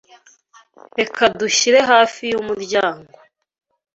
Reka dushyire hafi yumuryango.